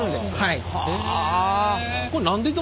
はい。